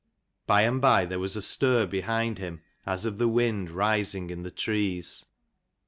By and by there was a stir behind him, as of the wind rising in the trees.